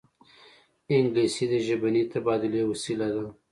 انګلیسي د ژبني تبادلې وسیله ده